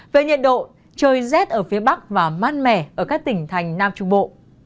về nhiệt độ trời rét ở phía bắc và mát mẻ ở các tỉnh thành nam trung bộ